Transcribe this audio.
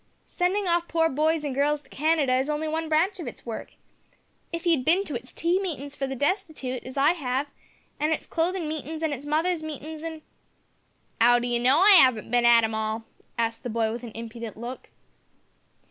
"Sending off poor boys and girls to Canada is only one branch of its work. If you'd bin to its tea meetin's for the destitute, as I have, an' its clothin' meetin's and its mothers' meetin's, an " "'Ow d'ye know I 'aven't bin at 'em all?" asked the boy with an impudent look.